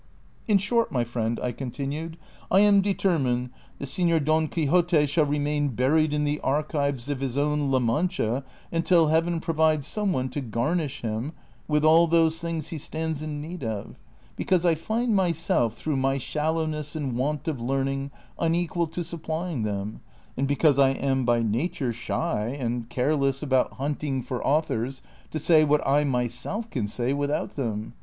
'" In short, my friend," I continued, " I am determined that Seiior Don Quixote shall remain buried in the archives of his own La Mancha luitil Heaven provide some one to garnish him with all those things he stands in need of ; because I find myself, through my shallowness and want of learning, un equal to sup})lying them, and because I am by nature shy and careless about hunting for authors to say what I myself can say without them.